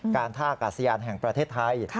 การท่ากาศยานแห่งประเทศไทย